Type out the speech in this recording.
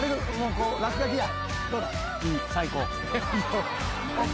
落書きや。